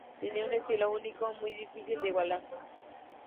Tenía un estilo único muy difícil de igualar.